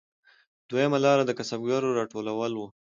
دویمه لار د کسبګرو راټولول وو